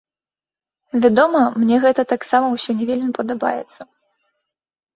Вядома, мне гэта таксама ўсё не вельмі падабаецца.